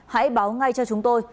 hãy báo ngay cho chúng tôi